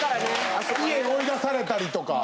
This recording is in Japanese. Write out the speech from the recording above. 家追い出されたりとか。